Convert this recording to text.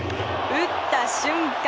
打った瞬間